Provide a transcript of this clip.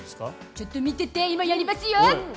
ちょっと見てて今やりますよ。